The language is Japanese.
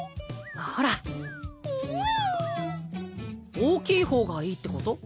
大きいほうがいいってこと？